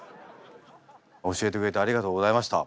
教えてくれてありがとうございました。